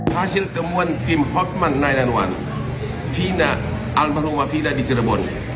hasil temuan tim hotman sembilan ratus sebelas vina almarhumah vina di cirebon